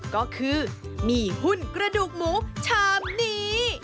ก็คือมีหุ้นกระดูกหมูชามนี้